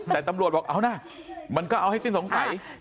แต่ตำรวจบอกเอานะมันก็เอาให้สิ้นสงสัย